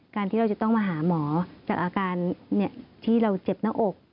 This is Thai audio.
การที่เราจะต้องมาหาหมอจากอาการที่เราเจ็บหน้าอก